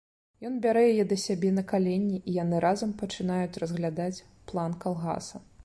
Ён бярэ яе да сябе на калені, і яны разам пачынаюць разглядаць план калгаса.